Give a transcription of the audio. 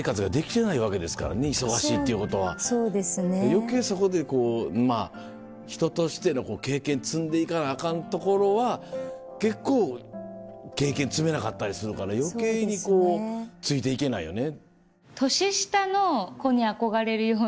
余計そこで人としての経験積んでいかなあかんところは結構経験積めなかったりするから余計についていけないよね。